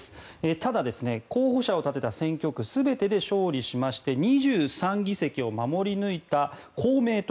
ただ、候補者を立てた選挙区全てで勝利しまして２３議席を守り抜いた公明党。